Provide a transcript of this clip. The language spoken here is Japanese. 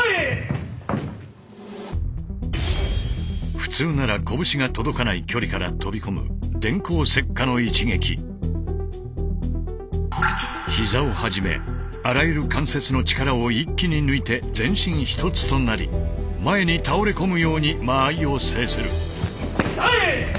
普通なら拳が届かない距離から飛び込む膝をはじめあらゆる関節の力を一気に抜いて全身一つとなり前に倒れ込むように間合いを制する。